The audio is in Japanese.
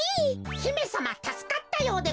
ひめさまたすかったようでございますね。